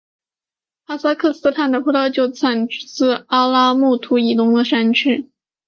哈萨克斯坦的葡萄酒产自阿拉木图以东的山区。